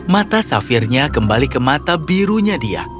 mata safirnya kembali ke mata birunya dia